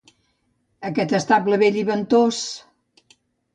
Aquest estable vell i ventós!